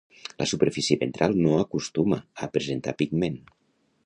La superfície ventral no acostuma a presentar pigment.